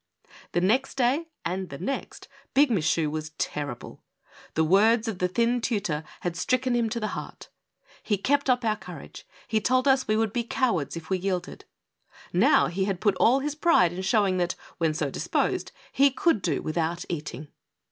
The next day and the next Big Michu was terrible. The words of the thin tutor had stricken him to the heart. He kept up our courage; he told us we would be cowards if we yielded. Now lie had put all his pride in showing that, when so disposed, he could do without eating.